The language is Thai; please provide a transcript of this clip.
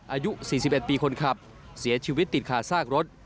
อายุ๔๑ปีคนขับเสียชีวิตติดคาซากรถ